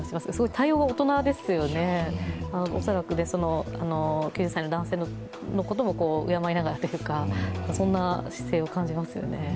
対応が大人ですよね、恐らく、９０歳の男性のことも敬いながらというか、そんな姿勢を感じますよね。